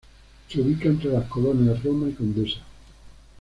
Se ubica entre las colonias Roma y Condesa.